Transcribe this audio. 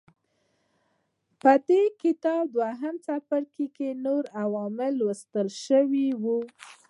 په دې کتاب دویم څپرکي کې نور عوامل لوستل شوي وو.